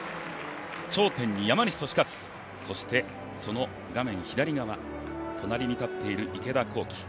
頂点に山西利和、そしてその画面隣側、隣に立っている池田向希。